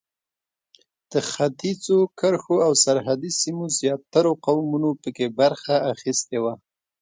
د ختیځو کرښو او سرحدي سیمو زیاترو قومونو په کې برخه اخیستې وه.